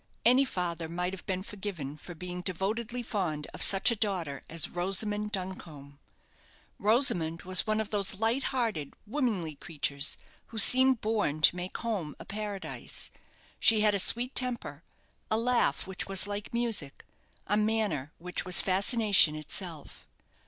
Any father might have been forgiven for being devotedly fond of such a daughter as Rosamond Duncombe. Rosamond was one of those light hearted, womanly creatures who seem born to make home a paradise. She had a sweet temper; a laugh which was like music; a manner which was fascination itself.